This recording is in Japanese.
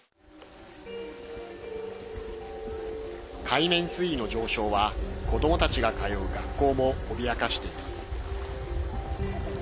海面水位の上昇は子どもたちが通う学校も脅かしています。